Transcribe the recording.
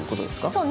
そう。